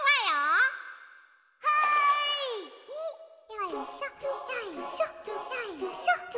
よいしょよいしょよいしょ。